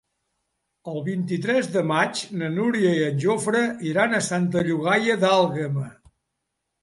El vint-i-tres de maig na Núria i en Jofre iran a Santa Llogaia d'Àlguema.